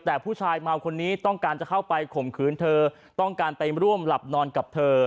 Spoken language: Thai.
แต่ผู้ชายเมาคนนี้ต้องการจะเข้าไปข่มขืนเธอต้องการไปร่วมหลับนอนกับเธอ